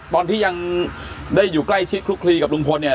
ตอนที่ยังได้อยู่ใกล้ชิดคลุกคลีกับลุงพลเนี่ย